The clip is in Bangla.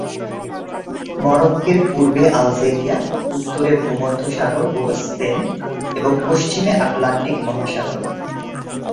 মরোক্কোর পূর্বে আলজেরিয়া, উত্তরে ভূমধ্যসাগর ও স্পেন, এবং পশ্চিমে আটলান্টিক মহাসাগর।